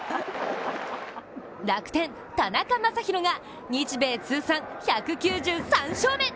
楽天・田中将大が日米通算１９３勝目。